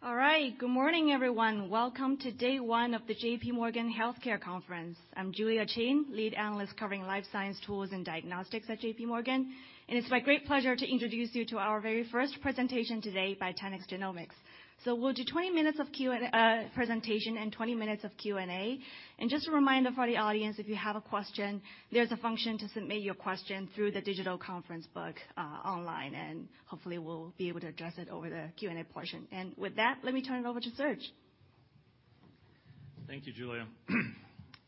All right. Good morning, everyone. Welcome to day one of the JPMorgan Healthcare Conference. I'm Julia Qin, Lead Analyst covering life science, tools, and diagnostics at JPMorgan. It's my great pleasure to introduce you to our very first presentation today by 10x Genomics. We'll do 20 minutes of presentation and 20 minutes of Q&A. Just a reminder for the audience, if you have a question, there's a function to submit your question through the digital conference book online, and hopefully we'll be able to address it over the Q&A portion. With that, let me turn it over to Serge. Thank you, Julia.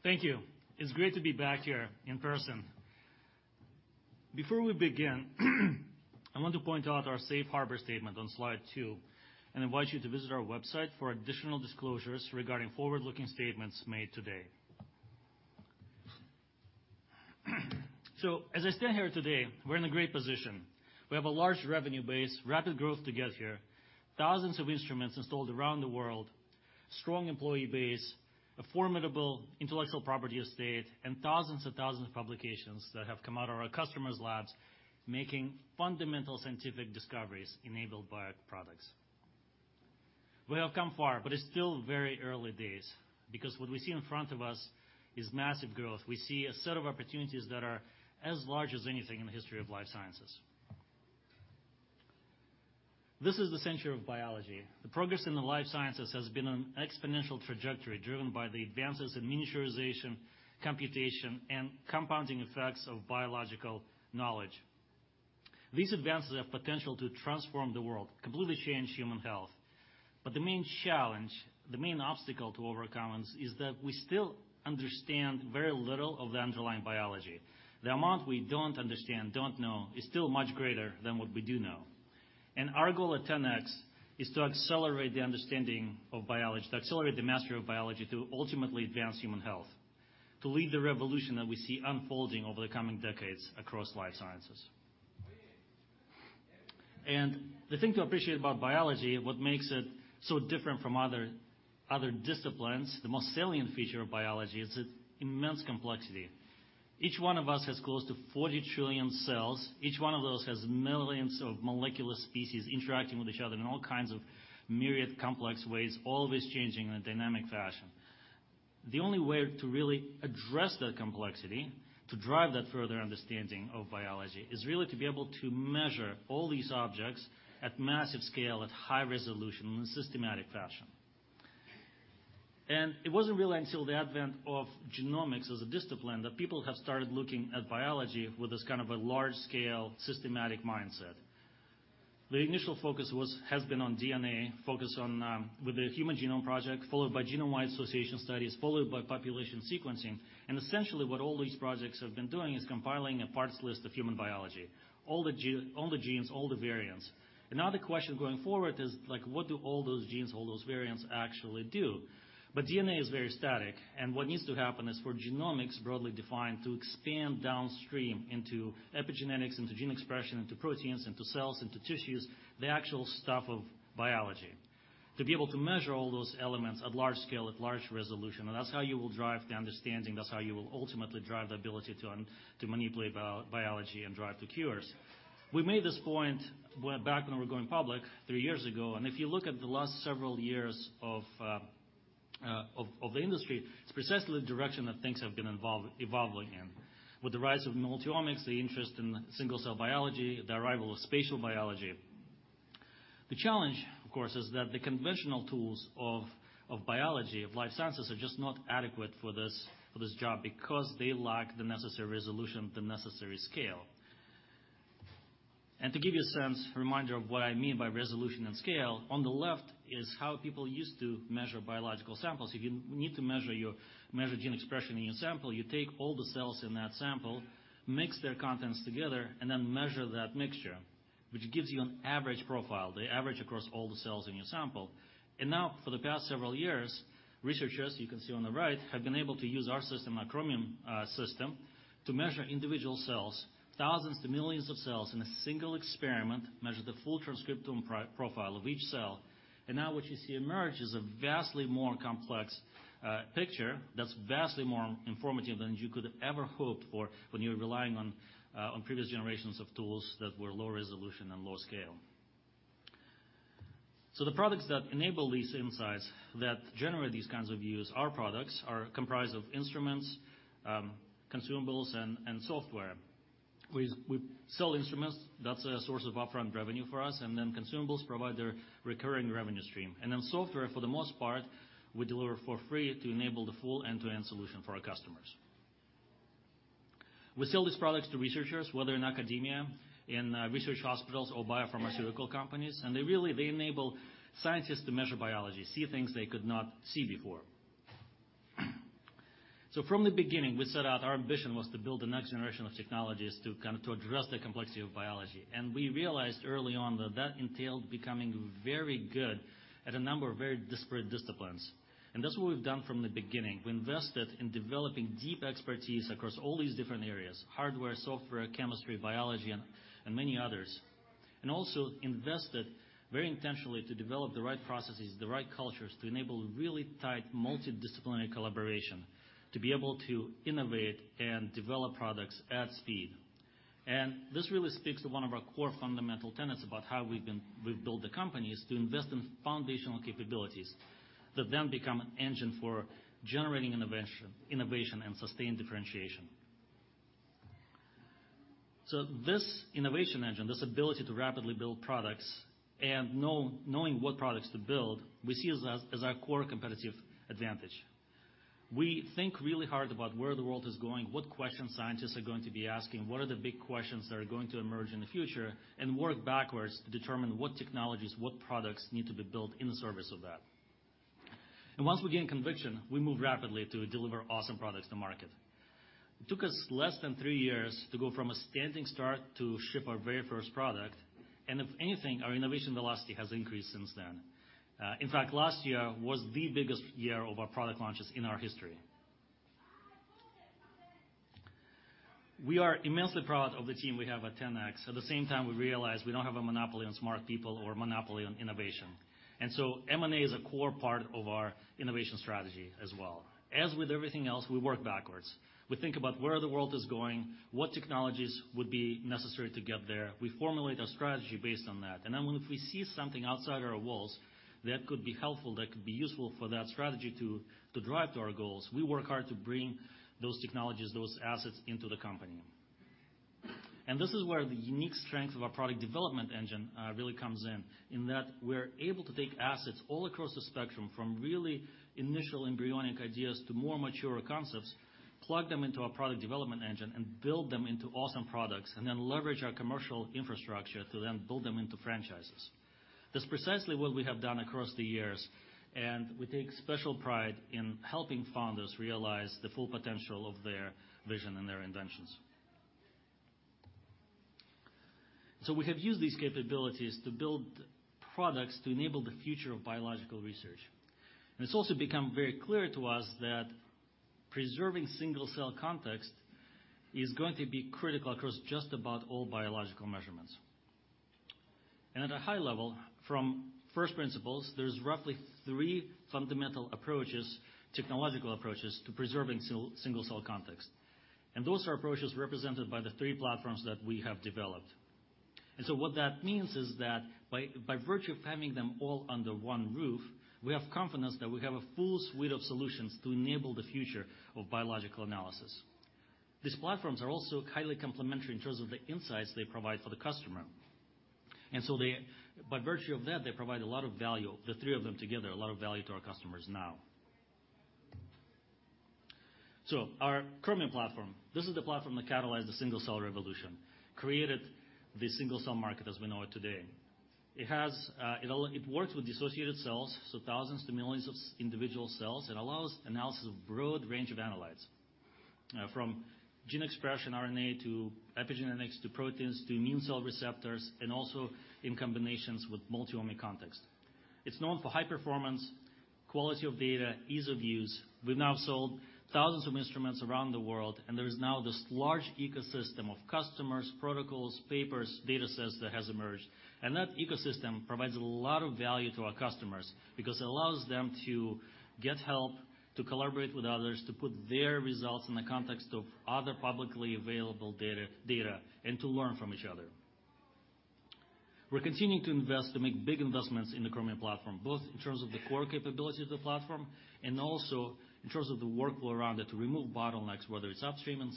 Thank you. It's great to be back here in person. Before we begin, I want to point out our safe harbor statement on Slide 2 and invite you to visit our website for additional disclosures regarding forward-looking statements made today. As I stand here today, we're in a great position. We have a large revenue base, rapid growth to get here, thousands of instruments installed around the world, strong employee base, a formidable intellectual property estate, and thousands and thousands of publications that have come out of our customers' labs making fundamental scientific discoveries enabled by our products. We have come far, but it's still very early days because what we see in front of us is massive growth. We see a set of opportunities that are as large as anything in the history of life sciences. This is the century of biology. The progress in the life sciences has been on exponential trajectory, driven by the advances in miniaturization, computation, and compounding effects of biological knowledge. These advances have potential to transform the world, completely change human health. The main challenge, the main obstacle to overcome is that we still understand very little of the underlying biology. The amount we don't understand, don't know, is still much greater than what we do know. Our goal at 10x is to accelerate the understanding of biology, to accelerate the mastery of biology, to ultimately advance human health, to lead the revolution that we see unfolding over the coming decades across life sciences. The thing to appreciate about biology, what makes it so different from other disciplines, the most salient feature of biology is its immense complexity. Each one of us has close to 40 trillion cells. Each one of those has millions of molecular species interacting with each other in all kinds of myriad complex ways, always changing in a dynamic fashion. The only way to really address that complexity, to drive that further understanding of biology, is really to be able to measure all these objects at massive scale, at high resolution, in a systematic fashion. It wasn't really until the advent of genomics as a discipline that people have started looking at biology with this kind of a large-scale systematic mindset. The initial focus has been on DNA, with the Human Genome Project, followed by genome-wide association studies, followed by population sequencing. Essentially, what all these projects have been doing is compiling a parts list of human biology, all the genes, all the variants. Another question going forward is, like, what do all those genes, all those variants actually do? DNA is very static, and what needs to happen is for genomics, broadly defined, to expand downstream into epigenetics, into gene expression, into proteins, into cells, into tissues, the actual stuff of biology. To be able to measure all those elements at large scale, at large resolution, that's how you will drive the understanding. That's how you will ultimately drive the ability to manipulate biology and drive the cures. We made this point back when we were going public three years ago. If you look at the last several years of the industry, it's precisely the direction that things have been evolving in. With the rise of multi-omics, the interest in single-cell biology, the arrival of spatial biology. The challenge, of course, is that the conventional tools of biology, of life sciences are just not adequate for this job because they lack the necessary resolution, the necessary scale. To give you a sense, a reminder of what I mean by resolution and scale, on the left is how people used to measure biological samples. If you need to measure gene expression in your sample, you take all the cells in that sample, mix their contents together, then measure that mixture, which gives you an average profile, the average across all the cells in your sample. Now, for the past several years, researchers, you can see on the right, have been able to use our system, our Chromium system, to measure individual cells, thousands to millions of cells in a single experiment, measure the full transcriptome profile of each cell. What you see emerge is a vastly more complex picture that's vastly more informative than you could ever hope for when you're relying on previous generations of tools that were low resolution and low scale. The products that enable these insights, that generate these kinds of views, our products are comprised of instruments, consumables and software. We sell instruments, that's a source of upfront revenue for us. Consumables provide the recurring revenue stream. Software, for the most part, we deliver for free to enable the full end-to-end solution for our customers. We sell these products to researchers, whether in academia, in research hospitals or biopharmaceutical companies. They really enable scientists to measure biology, see things they could not see before. From the beginning, we set out our ambition was to build the next generation of technologies to kind of address the complexity of biology. We realized early on that that entailed becoming very good at a number of very disparate disciplines. That's what we've done from the beginning. We invested in developing deep expertise across all these different areas: hardware, software, chemistry, biology, and many others. Also invested very intentionally to develop the right processes, the right cultures to enable really tight multidisciplinary collaboration, to be able to innovate and develop products at speed. This really speaks to one of our core fundamental tenets about how we've built the company is to invest in foundational capabilities that then become an engine for generating innovation and sustained differentiation. This innovation engine, this ability to rapidly build products and knowing what products to build, we see as our core competitive advantage. We think really hard about where the world is going? What questions scientists are going to be asking? What are the big questions that are going to emerge in the future? And work backwards to determine what technologies, what products need to be built in the service of that? Once we gain conviction, we move rapidly to deliver awesome products to market. It took us less than three years to go from a standing start to ship our very first product. If anything, our innovation velocity has increased since then. In fact, last year was the biggest year of our product launches in our history. We are immensely proud of the team we have at 10x. At the same time, we realize we don't have a monopoly on smart people or a monopoly on innovation. M&A is a core part of our innovation strategy as well. As with everything else, we work backwards. We think about where the world is going? What technologies would be necessary to get there? We formulate a strategy based on that. If we see something outside our walls that could be helpful, that could be useful for that strategy to drive to our goals, we work hard to bring those technologies, those assets into the company. This is where the unique strength of our product development engine really comes in that we're able to take assets all across the spectrum from really initial embryonic ideas to more mature concepts, plug them into our product development engine, and build them into awesome products, and then leverage our commercial infrastructure to then build them into franchises. That's precisely what we have done across the years, and we take special pride in helping founders realize the full potential of their vision and their inventions. We have used these capabilities to build products to enable the future of biological research. It's also become very clear to us that preserving single-cell context is going to be critical across just about all biological measurements. At a high level, from first principles, there's roughly three fundamental approaches, technological approaches to preserving single-cell context. Those are approaches represented by the three platforms that we have developed. What that means is that by virtue of having them all under one roof, we have confidence that we have a full suite of solutions to enable the future of biological analysis. These platforms are also highly complementary in terms of the insights they provide for the customer. They by virtue of that, they provide a lot of value, the three of them together, a lot of value to our customers now. Our Chromium platform, this is the platform that catalyzed the single-cell revolution, created the single-cell market as we know it today. It has, it works with dissociated cells, so thousands to millions of individual cells. It allows analysis of broad range of analytes, from gene expression RNA to epigenetics, to proteins, to immune cell receptors, and also in combinations with multi-omic context. It's known for high performance, quality of data, ease of use. We've now sold thousands of instruments around the world. There is now this large ecosystem of customers, protocols, papers, datasets that has emerged. That ecosystem provides a lot of value to our customers because it allows them to get help, to collaborate with others, to put their results in the context of other publicly available data, and to learn from each other. We're continuing to invest, to make big investments in the Chromium platform, both in terms of the core capabilities of the platform and also in terms of the workflow around it to remove bottlenecks, whether it's upstream and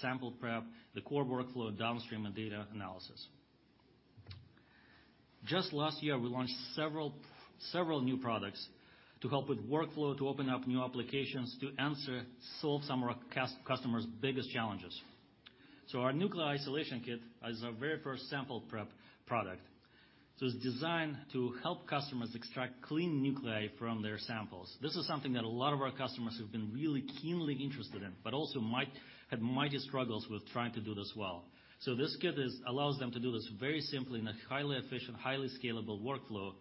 sample prep, the core workflow, downstream and data analysis. Just last year, we launched several new products to help with workflow, to open up new applications, to answer, solve some of our customers' biggest challenges. Our Nuclei Isolation Kit is our very first sample prep product. It's designed to help customers extract clean nuclei from their samples. This is something that a lot of our customers have been really keenly interested in, but also had mighty struggles with trying to do this well. This kit allows them to do this very simply in a highly efficient, highly scalable workflow,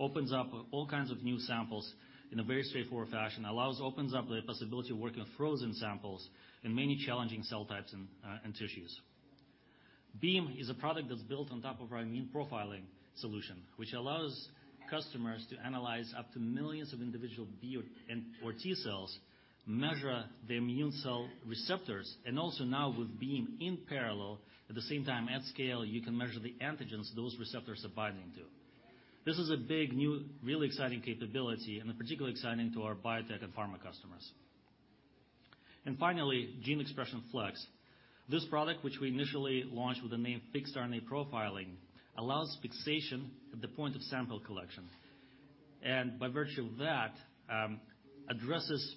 opens up all kinds of new samples in a very straightforward fashion, opens up the possibility of working with frozen samples and many challenging cell types and tissues. BEAM is a product that's built on top of our immune profiling solution, which allows customers to analyze up to millions of individual B or T cells, measure the immune cell receptors, and also now with BEAM in parallel, at the same time, at scale, you can measure the antigens those receptors are binding to. This is a big, new, really exciting capability and particularly exciting to our biotech and pharma customers. Finally, Gene Expression Flex. This product, which we initially launched with the name Fixed RNA Profiling, allows fixation at the point of sample collection. By virtue of that, addresses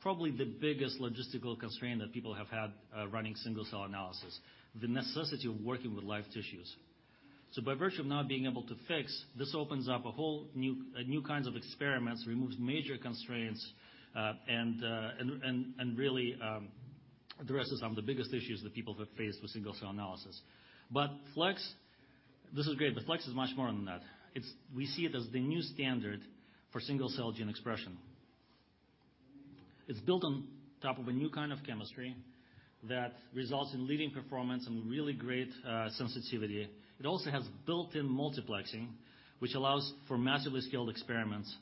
probably the biggest logistical constraint that people have had running single-cell analysis, the necessity of working with live tissues. By virtue of now being able to fix, this opens up a whole new kinds of experiments, removes major constraints, and really addresses some of the biggest issues that people have faced with single-cell analysis. Flex, this is great, but Flex is much more than that. We see it as the new standard for single-cell gene expression. It's built on top of a new kind of chemistry that results in leading performance and really great sensitivity. It also has built-in multiplexing, which allows for massively scaled experiments.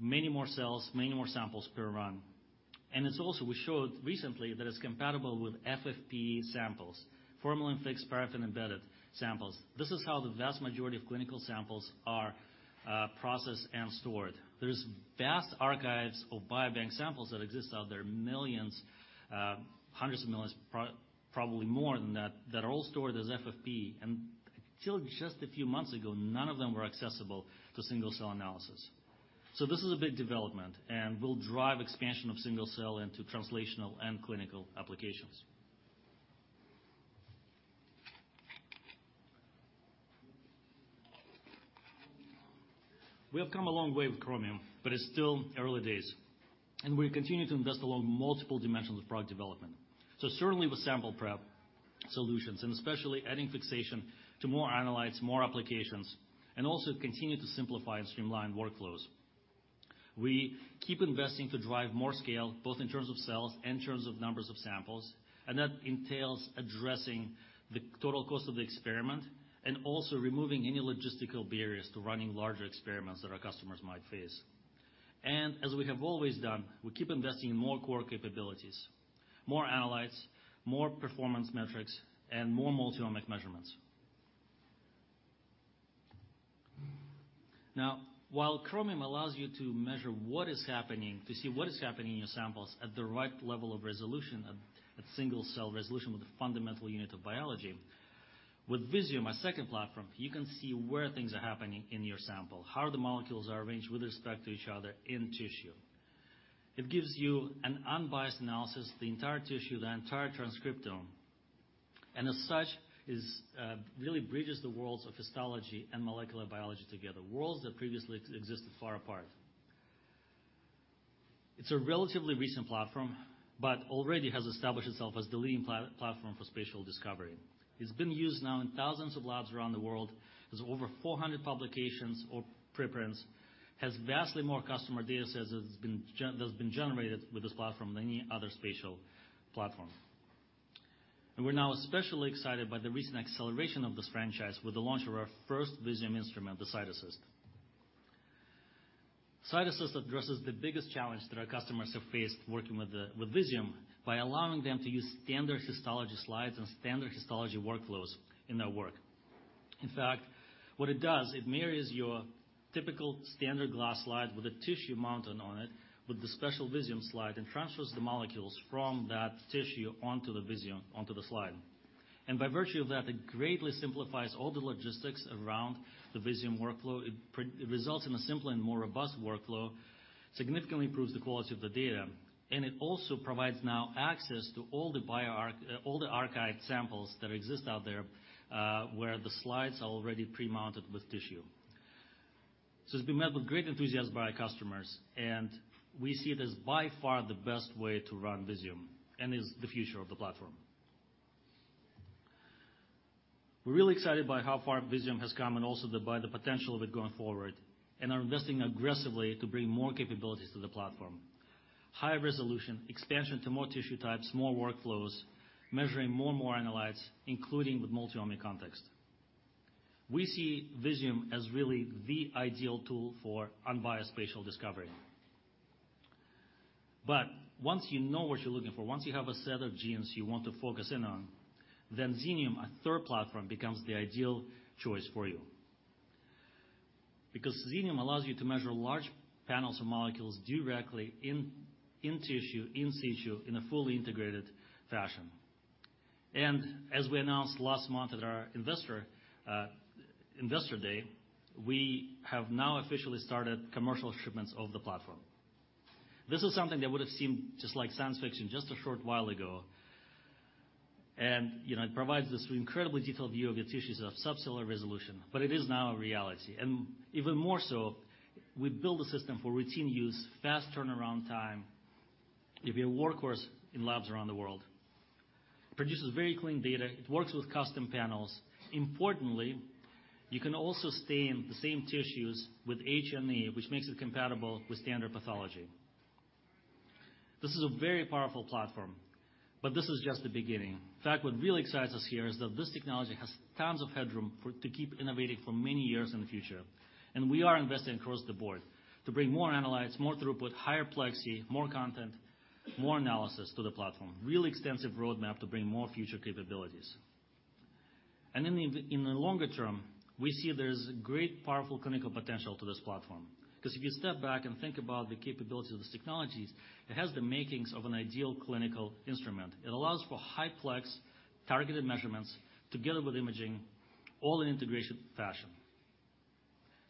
Many more cells, many more samples per run. It's also, we showed recently that it's compatible with FFPE samples, formalin-fixed, paraffin-embedded samples. This is how the vast majority of clinical samples are processed and stored. There's vast archives of biobank samples that exist out there, millions, hundreds of millions, probably more than that are all stored as FFPE. Until just a few months ago, none of them were accessible to single-cell analysis. This is a big development and will drive expansion of single-cell into translational and clinical applications. We have come a long way with Chromium, but it's still early days, and we continue to invest along multiple dimensions of product development. Certainly with sample prep solutions, and especially adding fixation to more analytes, more applications, and also continue to simplify and streamline workflows. We keep investing to drive more scale, both in terms of cells and in terms of numbers of samples, that entails addressing the total cost of the experiment and also removing any logistical barriers to running larger experiments that our customers might face. As we have always done, we keep investing in more core capabilities, more analytes, more performance metrics, and more multi-omic measurements. Now, while Chromium allows you to measure what is happening, to see what is happening in your samples at the right level of resolution, at single-cell resolution with the fundamental unit of biology, with Visium, our second platform, you can see where things are happening in your sample, how the molecules are arranged with respect to each other in tissue. It gives you an unbiased analysis of the entire tissue, the entire transcriptome, and as such, is really bridges the worlds of histology and molecular biology together, worlds that previously existed far apart. It's a relatively recent platform, already has established itself as the leading platform for spatial discovery. It's been used now in thousands of labs around the world. There's over 400 publications or preprints. Has vastly more customer data sets that's been generated with this platform than any other spatial platform. We're now especially excited by the recent acceleration of this franchise with the launch of our first Visium instrument, the CytAssist. CytAssist addresses the biggest challenge that our customers have faced working with Visium by allowing them to use standard histology slides and standard histology workflows in their work. In fact, what it does, it marries your typical standard glass slide with a tissue mounted on it with the special Visium slide and transfers the molecules from that tissue onto the Visium, onto the slide. By virtue of that, it greatly simplifies all the logistics around the Visium workflow. It results in a simpler and more robust workflow, significantly improves the quality of the data, and it also provides now access to all the archived samples that exist out there, where the slides are already pre-mounted with tissue. It's been met with great enthusiasm by our customers, and we see it as by far the best way to run Visium and is the future of the platform. We're really excited by how far Visium has come and also the, by the potential of it going forward and are investing aggressively to bring more capabilities to the platform. High resolution, expansion to more tissue types, more workflows, measuring more and more analytes, including with multi-omic context. We see Visium as really the ideal tool for unbiased spatial discovery. Once you know what you're looking for, once you have a set of genes you want to focus in on, Xenium, our third platform, becomes the ideal choice for you. Xenium allows you to measure large panels of molecules directly in tissue, in situ, in a fully integrated fashion. As we announced last month at our investor day, we have now officially started commercial shipments of the platform. This is something that would've seemed just like science fiction just a short while ago, you know, it provides this incredibly detailed view of your tissues of subcellular resolution, but it is now a reality. Even more so, we built a system for routine use, fast turnaround time. It'll be a workhorse in labs around the world. Produces very clean data. It works with custom panels. Importantly, you can also stain the same tissues with H&E, which makes it compatible with standard pathology. This is a very powerful platform, but this is just the beginning. In fact, what really excites us here is that this technology has tons of headroom to keep innovating for many years in the future. We are investing across the board to bring more analytes, more throughput, higher plexy, more content, more analysis to the platform. Really extensive roadmap to bring more future capabilities. In the longer term, we see there's great powerful clinical potential to this platform 'cause if you step back and think about the capabilities of these technologies, it has the makings of an ideal clinical instrument. It allows for high plex targeted measurements together with imaging, all in integrated fashion.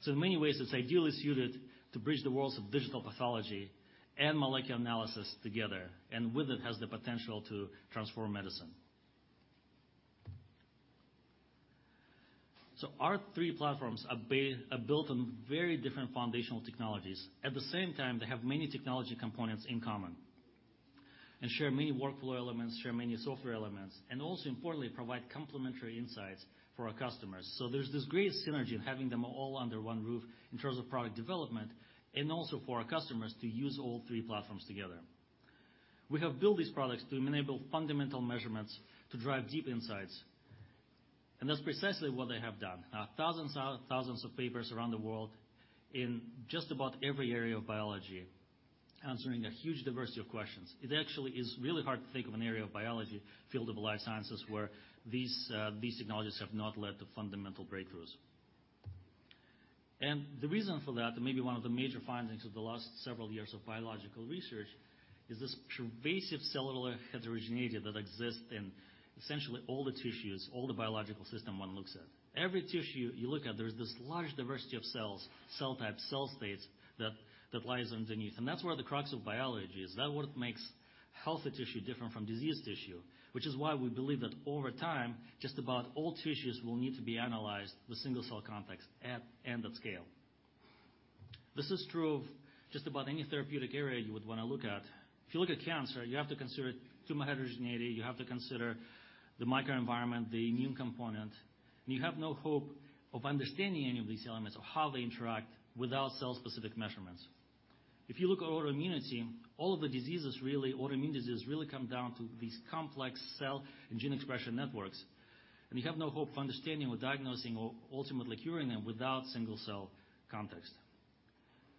In many ways, it's ideally suited to bridge the worlds of digital pathology and molecular analysis together, and with it, has the potential to transform medicine. Our three platforms are built on very different foundational technologies. At the same time, they have many technology components in common and share many workflow elements, share many software elements, and also importantly, provide complementary insights for our customers. There's this great synergy in having them all under one roof in terms of product development and also for our customers to use all three platforms together. We have built these products to enable fundamental measurements to drive deep insights. That's precisely what they have done. Thousands of papers around the world in just about every area of biology, answering a huge diversity of questions. It actually is really hard to think of an area of biology, field of the life sciences, where these technologies have not led to fundamental breakthroughs. The reason for that, and maybe one of the major findings of the last several years of biological research, is this pervasive cellular heterogeneity that exists in essentially all the tissues, all the biological system one looks at. Every tissue you look at, there's this large diversity of cells, cell types, cell states that lies underneath. That's where the crux of biology is. That what makes healthy tissue different from diseased tissue. We believe that over time, just about all tissues will need to be analyzed with single-cell context and at scale. This is true of just about any therapeutic area you would wanna look at. If you look at cancer, you have to consider tumor heterogeneity, you have to consider the microenvironment, the immune component. You have no hope of understanding any of these elements of how they interact without cell-specific measurements. If you look at autoimmunity, all of the diseases really, autoimmune diseases really come down to these complex cell and gene expression networks, and you have no hope of understanding or diagnosing or ultimately curing them without single-cell context.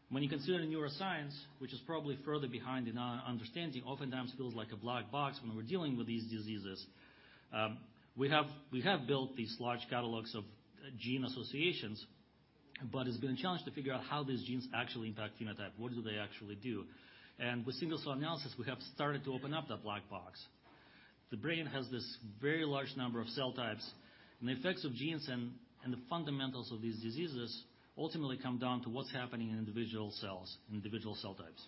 When you consider neuroscience, which is probably further behind in our understanding, oftentimes feels like a black box when we're dealing with these diseases. We have built these large catalogs of gene associations, but it's been a challenge to figure out how these genes actually impact phenotype. What do they actually do? With single-cell analysis, we have started to open up that black box. The brain has this very large number of cell types, and the effects of genes and the fundamentals of these diseases ultimately come down to what's happening in individual cells and individual cell types.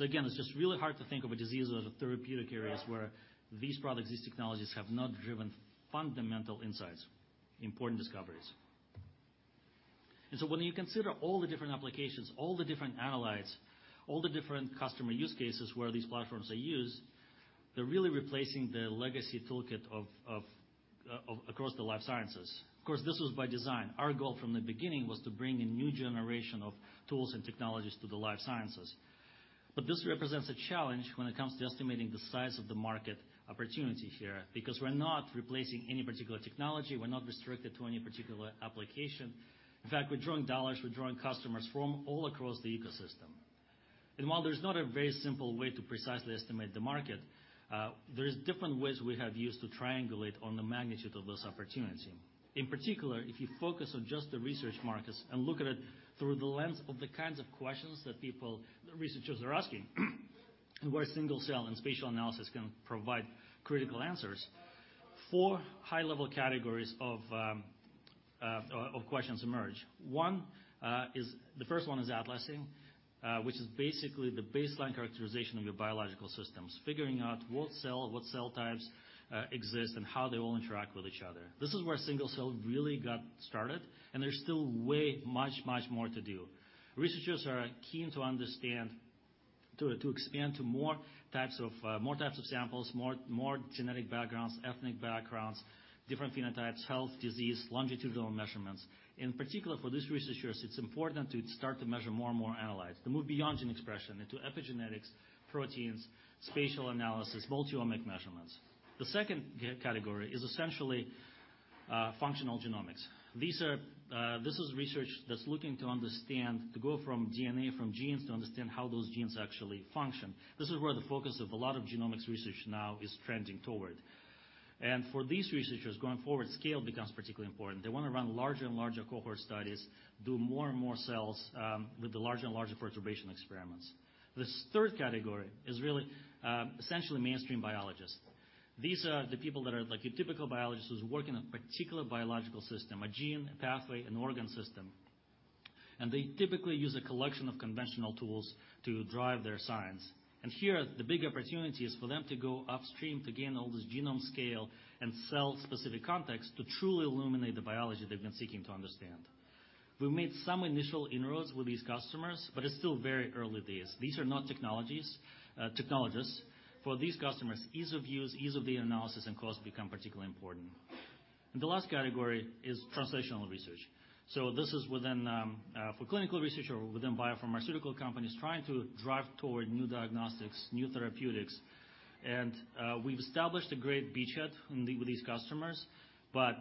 Again, it's just really hard to think of a disease or the therapeutic areas where these products, these technologies have not driven fundamental insights, important discoveries. When you consider all the different applications, all the different analytes, all the different customer use cases where these platforms are used, they're really replacing the legacy toolkit of across the life sciences. Of course, this was by design. Our goal from the beginning was to bring a new generation of tools and technologies to the life sciences. This represents a challenge when it comes to estimating the size of the market opportunity here, because we're not replacing any particular technology. We're not restricted to any particular application. In fact, we're drawing dollars, we're drawing customers from all across the ecosystem. While there's not a very simple way to precisely estimate the market, there's different ways we have used to triangulate on the magnitude of this opportunity. In particular, if you focus on just the research markets and look at it through the lens of the kinds of questions that researchers are asking, where single-cell and spatial analysis can provide critical answers, four high-level categories of questions emerge. One, the first one is atlasing, which is basically the baseline characterization of your biological systems. Figuring out what cell types exist, and how they all interact with each other. This is where single-cell really got started, and there's still way much more to do. Researchers are keen to understand, to expand to more types of samples, more genetic backgrounds, ethnic backgrounds, different phenotypes, health, disease, longitudinal measurements. In particular, for these researchers, it's important to start to measure more and more analytes. To move beyond gene expression into epigenetics, proteins, spatial analysis, multiomic measurements. The second category is essentially functional genomics. These are, this is research that's looking to understand, to go from DNA, from genes, to understand how those genes actually function. This is where the focus of a lot of genomics research now is trending toward. For these researchers going forward, scale becomes particularly important. They wanna run larger and larger cohort studies, do more and more cells with the larger and larger perturbation experiments. This third category is really essentially mainstream biologists. These are the people that are like your typical biologists who's working on particular biological system, a gene, a pathway, an organ system. They typically use a collection of conventional tools to drive their science. Here, the big opportunity is for them to go upstream to gain all this genome scale and cell-specific context to truly illuminate the biology they've been seeking to understand. We've made some initial inroads with these customers, but it's still very early days. These are not technologies, technologists. For these customers, ease of use, ease of data analysis, and cost become particularly important. The last category is translational research. This is within, for clinical research or within biopharmaceutical companies trying to drive toward new diagnostics, new therapeutics. We've established a great beachhead with these customers.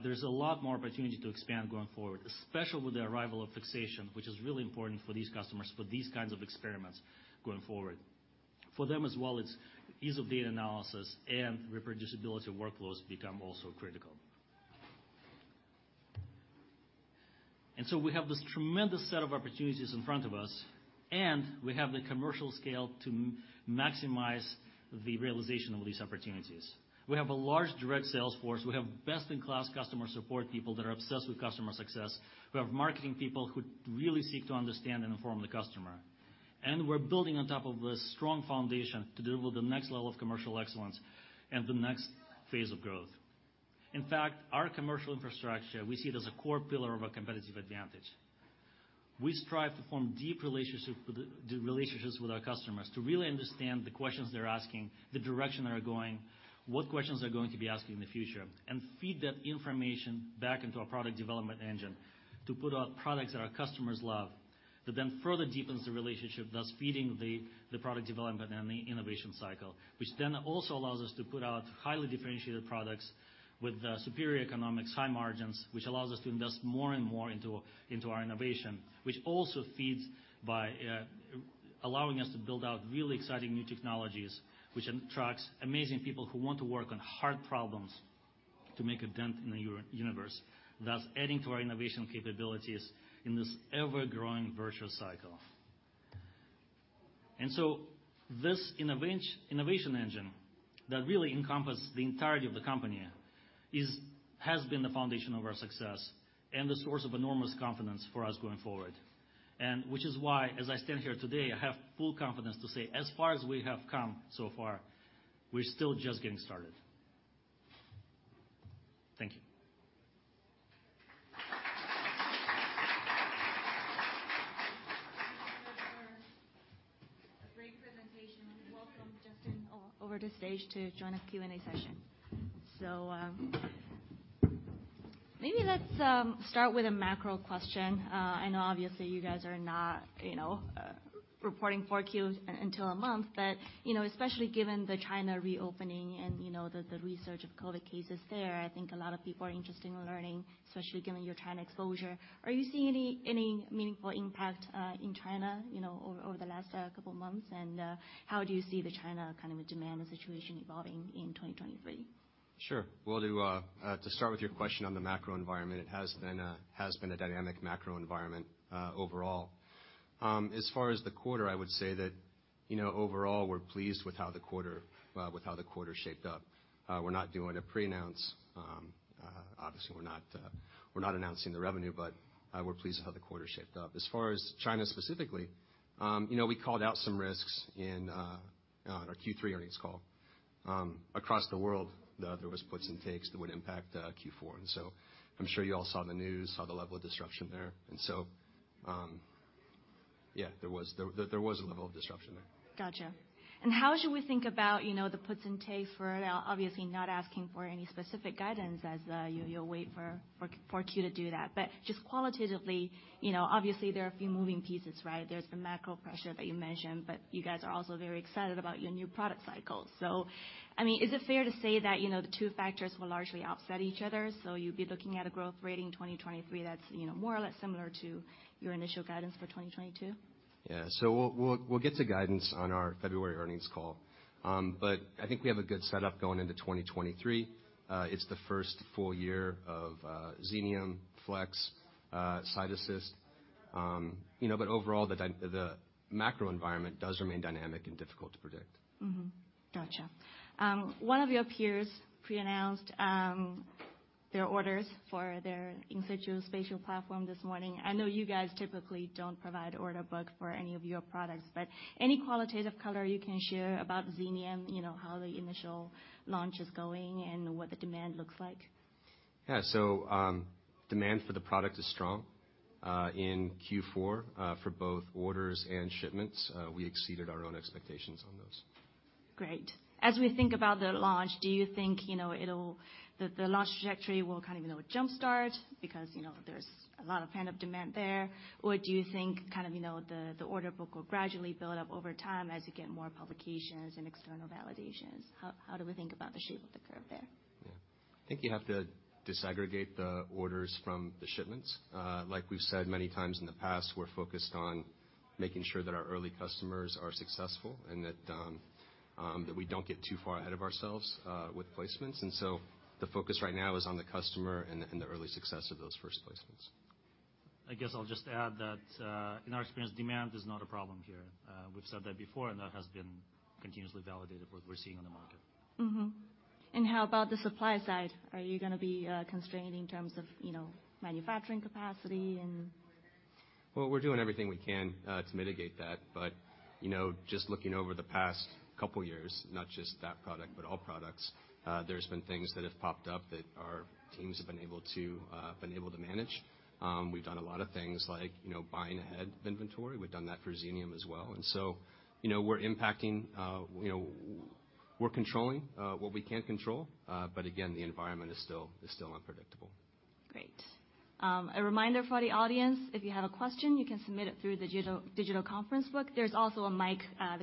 There's a lot more opportunity to expand going forward, especially with the arrival of fixation, which is really important for these customers, for these kinds of experiments going forward. For them as well, it's ease of data analysis and reproducibility of workflows become also critical. We have this tremendous set of opportunities in front of us, and we have the commercial scale to maximize the realization of these opportunities. We have a large direct sales force. We have best-in-class customer support people that are obsessed with customer success. We have marketing people who really seek to understand and inform the customer. We're building on top of a strong foundation to deliver the next level of commercial excellence and the next phase of growth. In fact, our commercial infrastructure, we see it as a core pillar of our competitive advantage. We strive to form deep relationships with our customers to really understand the questions they're asking, the direction they're going, what questions they're going to be asking in the future, and feed that information back into our product development engine to put out products that our customers love. That then further deepens the relationship, thus feeding the product development and the innovation cycle, which then also allows us to put out highly differentiated products with superior economics, high margins, which allows us to invest more and more into our innovation, which also feeds by allowing us to build out really exciting new technologies which attracts amazing people who want to work on hard problems to make a dent in the universe, thus adding to our innovation capabilities in this ever-growing virtual cycle. This innovation engine that really encompass the entirety of the company has been the foundation of our success and the source of enormous confidence for us going forward. Which is why, as I stand here today, I have full confidence to say, as far as we have come so far, we're still just getting started. Thank you. Thank you for a great presentation. Welcome, Justin, over to stage to join us Q&A session. Maybe let's start with a macro question. I know obviously you guys are not, you know, reporting 4Q until a month, but, you know, especially given the China reopening and, you know, the resurge of COVID cases there, I think a lot of people are interested in learning, especially given your China exposure. Are you seeing any meaningful impact in China, you know, over the last couple months? How do you see the China kind of demand situation evolving in 2023? Sure. Well, to start with your question on the macro environment, it has been a dynamic macro environment overall. As far as the quarter, I would say that, you know, overall, we're pleased with how the quarter shaped up. We're not doing a pre-announce, obviously we're not announcing the revenue, but we're pleased with how the quarter shaped up. As far as China specifically, you know, we called out some risks in on our Q3 earnings call. Across the world, there was puts and takes that would impact Q4. I'm sure you all saw the news, saw the level of disruption there. Yeah, there was a level of disruption there. Gotcha. How should we think about, you know, the puts and takes for now? Obviously not asking for any specific guidance as you'll wait for 4Q to do that. Just qualitatively, you know, obviously there are a few moving pieces, right? There's the macro pressure that you mentioned, but you guys are also very excited about your new product cycles. I mean, is it fair to say that, you know, the two factors will largely offset each other, so you'd be looking at a growth rate in 2023 that's, you know, more or less similar to your initial guidance for 2022? Yeah. We'll get to guidance on our February earnings call. But I think we have a good setup going into 2023. It's the first full year of Xenium, Flex, CytAssist. You know, but overall, the macro environment does remain dynamic and difficult to predict. Mm-hmm. Gotcha. One of your peers pre-announced their orders for their in situ spatial platform this morning. I know you guys typically don't provide order book for any of your products. Any qualitative color you can share about Xenium, you know, how the initial launch is going and what the demand looks like? Yeah. Demand for the product is strong in Q4 for both orders and shipments. We exceeded our own expectations on those. Great. As we think about the launch, do you think, you know, the launch trajectory will kind of, you know, jump-start because, you know, there's a lot of pent-up demand there? Do you think kind of, you know, the order book will gradually build up over time as you get more publications and external validations? How do we think about the shape of the curve there? Yeah, I think you have to disaggregate the orders from the shipments. Like we've said many times in the past, we're focused on making sure that our early customers are successful and that we don't get too far ahead of ourselves with placements. The focus right now is on the customer and the early success of those first placements. I guess I'll just add that, in our experience, demand is not a problem here. We've said that before, and that has been continuously validated what we're seeing in the market. Mm-hmm. How about the supply side? Are you gonna be constrained in terms of, you know, manufacturing capacity? Well, we're doing everything we can to mitigate that. You know, just looking over the past couple years, not just that product, but all products, there's been things that have popped up that our teams have been able to manage. We've done a lot of things like, you know, buying ahead inventory. We've done that for Xenium as well. So, you know, we're controlling, what we can control. Again, the environment is still unpredictable. Great. A reminder for the audience, if you have a question, you can submit it through the digital conference book. There's also a mic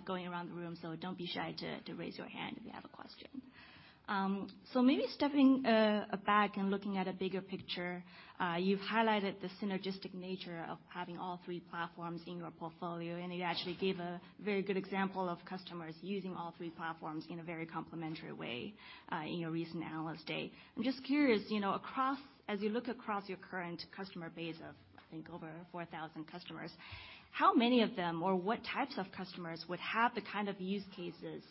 going around the room, so don't be shy to raise your hand if you have a question. Maybe stepping back and looking at a bigger picture, you've highlighted the synergistic nature of having all three platforms in your portfolio, and you actually gave a very good example of customers using all three platforms in a very complementary way in your recent analyst day. I'm just curious, you know, as you look across your current customer base of, I think, over 4,000 customers, how many of them or what types of customers would have the kind of use cases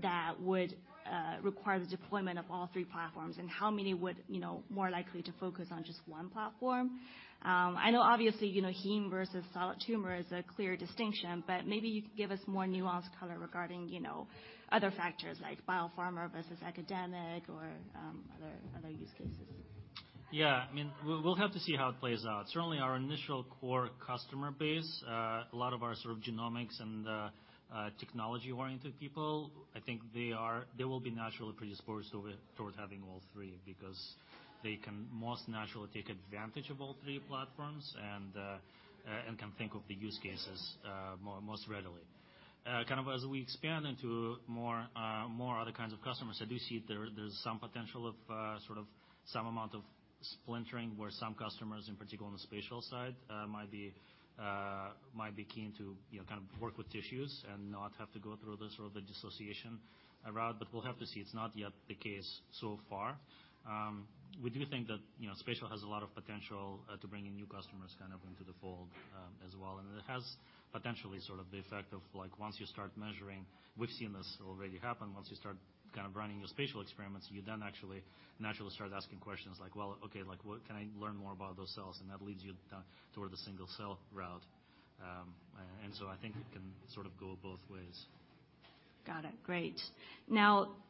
that would require the deployment of all three platforms? And how many would, you know, more likely to focus on just one platform? I know obviously, you know, heme versus solid tumor is a clear distinction, but maybe you could give us more nuanced color regarding, you know, other factors like biopharma versus academic or other use cases? Yeah, I mean, we'll have to see how it plays out. Certainly our initial core customer base, a lot of our sort of genomics and technology-oriented people, I think they will be naturally predisposed over towards having all three because they can most naturally take advantage of all three platforms and can think of the use cases most readily. Kind of as we expand into more other kinds of customers, I do see there's some potential of sort of some amount of splintering where some customers, in particular on the spatial side, might be keen to, you know, kind of work with tissues and not have to go through the sort of the dissociation route. We'll have to see. It's not yet the case so far. We do think that, you know, spatial has a lot of potential to bring in new customers kind of into the fold as well. It has potentially sort of the effect of like, once you start measuring, we've seen this already happen, once you start kind of running your spatial experiments, you then actually naturally start asking questions like, "Well, okay, like what can I learn more about those cells?" That leads you down toward the single-cell route. I think it can sort of go both ways. Got it. Great.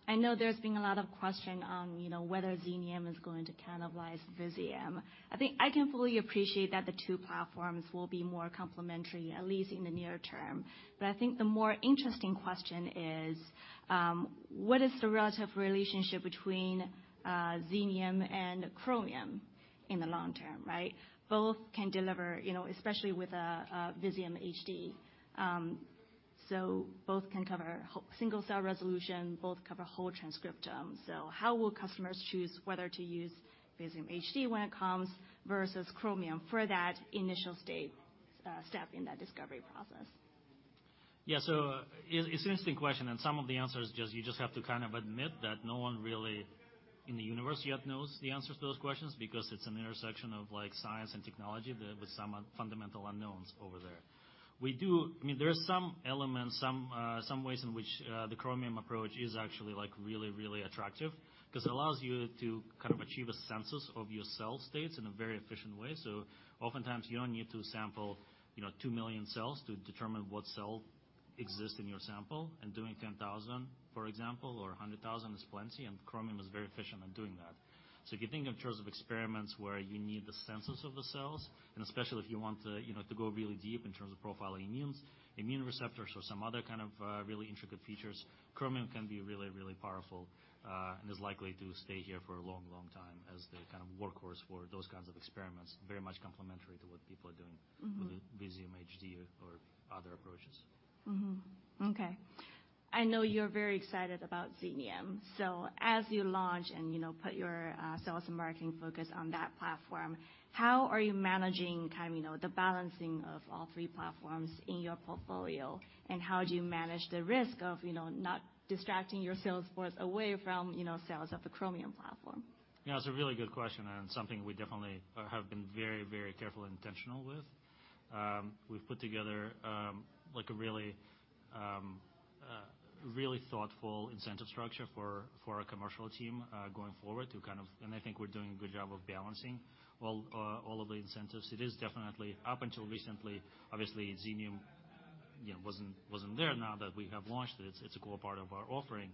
I know there's been a lot of question on, you know, whether Xenium is going to cannibalize Visium. I think I can fully appreciate that the two platforms will be more complementary, at least in the near term. I think the more interesting question is what is the relative relationship between Xenium and Chromium in the long term, right? Both can deliver, you know, especially with Visium HD, both can cover whole single-cell resolution, both cover whole transcriptome. How will customers choose whether to use Visium HD when it comes versus Chromium for that initial state step in that discovery process? Yeah. It's an interesting question, and some of the answers just, you just have to kind of admit that no one really in the universe yet knows the answers to those questions because it's an intersection of like science and technology with some un-fundamental unknowns over there. We do... I mean, there are some elements, some ways in which the Chromium approach is actually like really, really attractive 'cause it allows you to kind of achieve a census of your cell states in a very efficient way. Oftentimes, you don't need to sample, you know, 2 million cells to determine what cell exists in your sample, and doing 10,000, for example, or 100,000 is plenty, and Chromium is very efficient in doing that. If you think in terms of experiments where you need the census of the cells, and especially if you want to, you know, to go really deep in terms of profiling immunes, immune receptors or some other kind of really intricate features, Chromium can be really, really powerful, and is likely to stay here for a long, long time as the kind of workhorse for those kinds of experiments, very much complementary to what people are doing. Mm-hmm. -with Visium HD or other approaches. Mm-hmm. Okay. I know you're very excited about Xenium. As you launch and, you know, put your sales and marketing focus on that platform, how are you managing kind of, you know, the balancing of all three platforms in your portfolio? How do you manage the risk of, you know, not distracting your sales force away from, you know, sales of the Chromium platform? Yeah, it's a really good question and something we definitely have been very, very careful and intentional with. We've put together like a really thoughtful incentive structure for our commercial team going forward to kind of... I think we're doing a good job of balancing all of the incentives. It is definitely up until recently, obviously, Xenium, you know, wasn't there. Now that we have launched it's a core part of our offering.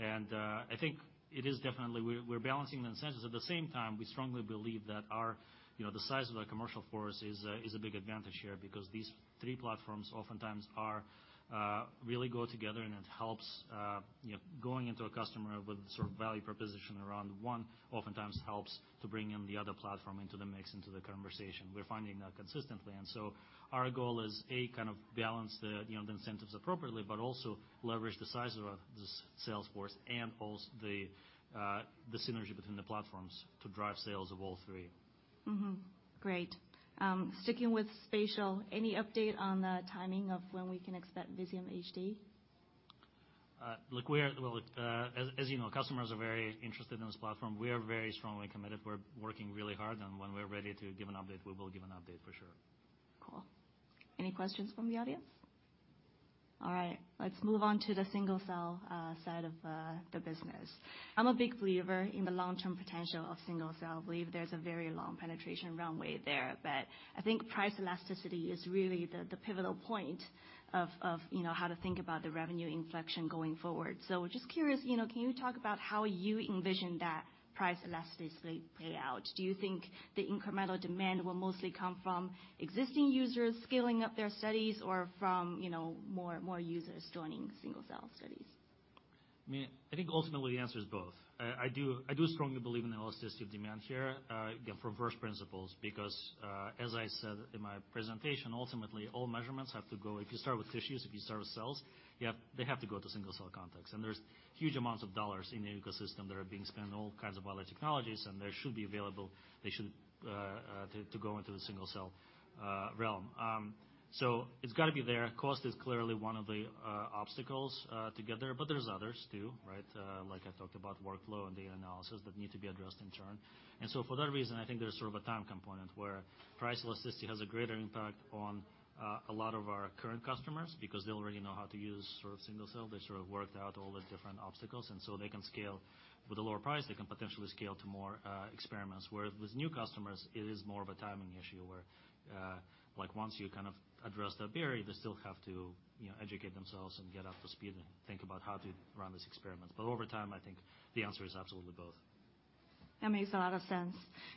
I think it is definitely we're balancing the incentives. At the same time, we strongly believe that our, you know, the size of our commercial force is a, is a big advantage here because these three platforms oftentimes are really go together and it helps, you know, going into a customer with sort of value proposition around one oftentimes helps to bring in the other platform into the mix, into the conversation. We're finding that consistently. Our goal is, A, kind of balance the, you know, the incentives appropriately, but also leverage the size of the sales force and the synergy between the platforms to drive sales of all three. Mm-hmm. Great. Sticking with spatial, any update on the timing of when we can expect Visium HD? Look, Well, as you know, customers are very interested in this platform. We are very strongly committed. We're working really hard. When we're ready to give an update, we will give an update for sure. Cool. Any questions from the audience? All right, let's move on to the single-cell side of the business. I'm a big believer in the long-term potential of single-cell. I believe there's a very long penetration runway there, but I think price elasticity is really the pivotal point of, you know, how to think about the revenue inflection going forward. Just curious, you know, can you talk about how you envision that price elasticity play out? Do you think the incremental demand will mostly come from existing users scaling up their studies or from, you know, more users joining single-cell studies? I mean, I think ultimately the answer is both. I do strongly believe in the elasticity of demand here, again, for various principles because, as I said in my presentation, ultimately all measurements have to go. If you start with tissues, if you start with cells, they have to go to single-cell context. There's huge amounts of dollars in the ecosystem that are being spent on all kinds of other technologies, and they should be available. They should to go into the single-cell realm. It's gotta be there. Cost is clearly one of the obstacles to get there, but there's others too, right? Like I talked about workflow and data analysis that need to be addressed in turn. For that reason, I think there's sort of a time component where price elasticity has a greater impact on a lot of our current customers because they already know how to use sort of single-cell. They sort of worked out all the different obstacles, and so they can scale. With a lower price, they can potentially scale to more experiments. With new customers, it is more of a timing issue where like once you kind of address that barrier, they still have to, you know, educate themselves and get up to speed and think about how to run these experiments. Over time, I think the answer is absolutely both. That makes a lot of sense.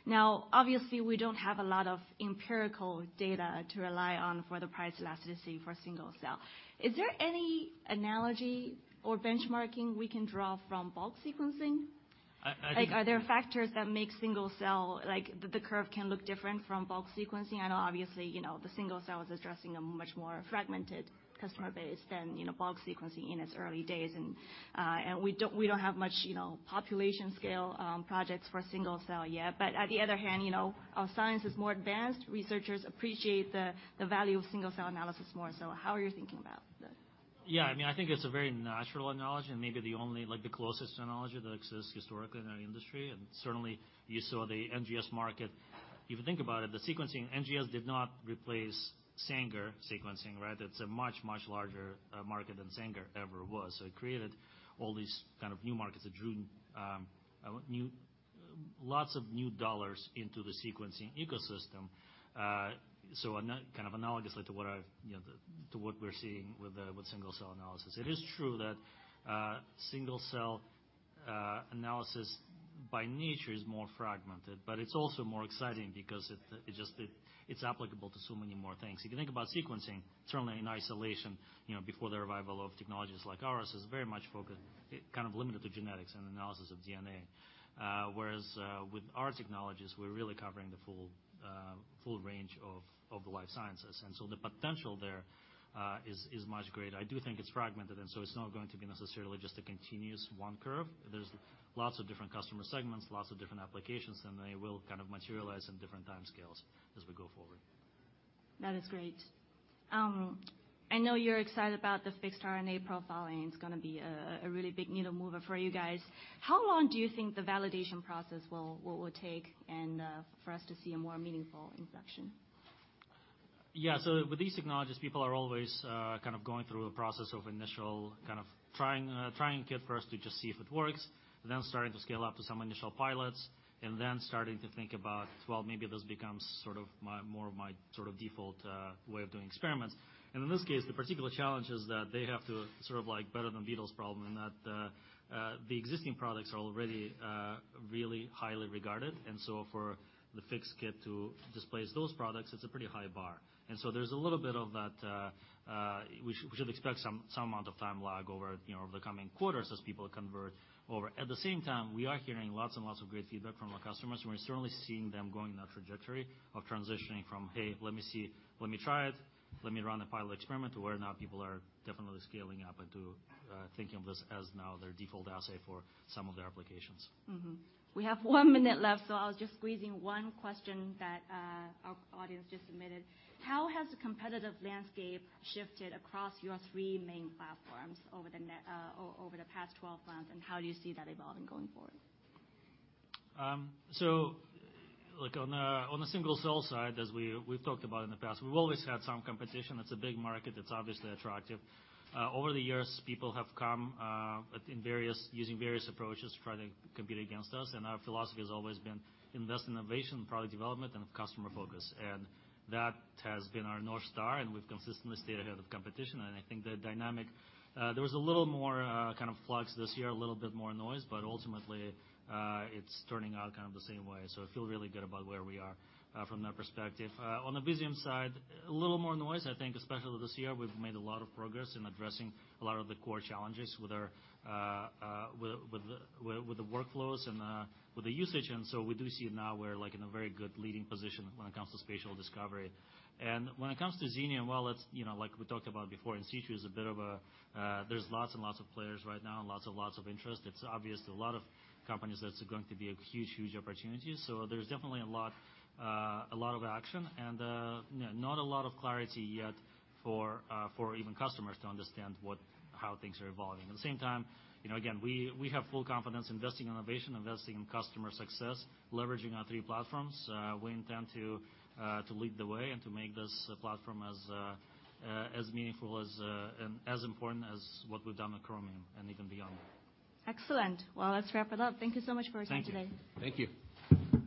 Obviously, we don't have a lot of empirical data to rely on for the price elasticity for single-cell. Is there any analogy or benchmarking we can draw from bulk sequencing? I think. Like, are there factors that make single-cell, like, the curve can look different from bulk sequencing? I know obviously, you know, the single-cell is addressing a much more fragmented customer base than, you know, bulk sequencing in its early days. we don't have much, you know, population scale projects for single-cell yet. on the other hand, you know, our science is more advanced. Researchers appreciate the value of single-cell analysis more. how are you thinking about that? Yeah. I mean, I think it's a very natural analogy and maybe the only, like, the closest analogy that exists historically in our industry. Certainly you saw the NGS market. If you think about it, the sequencing, NGS did not replace Sanger sequencing, right? It's a much, much larger market than Sanger ever was. It created all these kind of new markets that drew lots of new dollars into the sequencing ecosystem. Kind of analogously to what I've, you know, the, to what we're seeing with single-cell analysis. It is true that single-cell analysis by nature is more fragmented, but it's also more exciting because it just, it's applicable to so many more things. If you think about sequencing, certainly in isolation, you know, before the revival of technologies like ours, it's very much focused, it kind of limited the genetics and analysis of DNA. Whereas, with our technologies, we're really covering the full range of the life sciences. The potential there is much greater. I do think it's fragmented, and so it's not going to be necessarily just a continuous one curve. There's lots of different customer segments, lots of different applications, and they will kind of materialize in different timescales as we go forward. That is great. I know you're excited about the Fixed RNA Profiling. It's gonna be a really big needle mover for you guys. How long do you think the validation process will take and for us to see a more meaningful inflection? Yeah. With these technologies, people are always, kind of going through a process of initial kind of trying kit first to just see if it works, then starting to scale up to some initial pilots, and then starting to think about, well, maybe this becomes sort of my, more of my sort of default, way of doing experiments. In this case, the particular challenge is that they have to sort of like better than the Beatles problem in that, the existing products are already, really highly regarded. For the Fixed Kit to displace those products, it's a pretty high bar. There's a little bit of that, we should, we should expect some amount of time lag over, you know, over the coming quarters as people convert over. At the same time, we are hearing lots and lots of great feedback from our customers. We're certainly seeing them going that trajectory of transitioning from, "Hey, let me see. Let me try it. Let me run a pilot experiment," to where now people are definitely scaling up into thinking of this as now their default assay for some of their applications. Mm-hmm. We have one minute left, so I was just squeezing one question that our audience just submitted. How has the competitive landscape shifted across your three main platforms over the past 12 months, and how do you see that evolving going forward? Like on the, on the single-cell side, as we've talked about in the past, we've always had some competition. It's a big market that's obviously attractive. Over the years, people have come in various, using various approaches to try to compete against us, and our philosophy has always been invest in innovation, product development, and customer focus. That has been our north star, and we've consistently stayed ahead of competition. I think the dynamic, there was a little more kind of flux this year, a little bit more noise, but ultimately, it's turning out kind of the same way. I feel really good about where we are from that perspective. On the Visium side, a little more noise. I think especially this year, we've made a lot of progress in addressing a lot of the core challenges with our with the workflows and with the usage. We do see now we're like in a very good leading position when it comes to spatial discovery. When it comes to Xenium, well, it's, you know, like we talked about before, in situ is a bit of a, there's lots and lots of players right now, and lots and lots of interest. It's obvious to a lot of companies that it's going to be a huge, huge opportunity. There's definitely a lot a lot of action and, you know, not a lot of clarity yet for for even customers to understand what, how things are evolving. At the same time, you know, again, we have full confidence investing in innovation, investing in customer success, leveraging our three platforms. We intend to lead the way and to make this platform as meaningful as and as important as what we've done with Chromium and even beyond. Excellent. Well, let's wrap it up. Thank you so much for your time today. Thank you. Thank you.